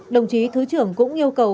đồng chí thứ trưởng cũng yêu cầu